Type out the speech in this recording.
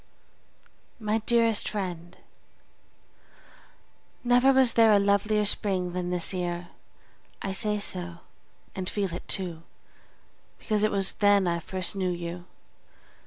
MY DEAREST FRIEND, Never was there a lovelier spring than this year; I say so, and feel it too, because it was then I first knew you.